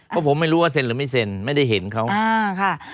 เพราะผมไม่รู้ว่าเซ็นหรือไม่เซ็นไม่ได้เห็นเขาอ่าค่ะ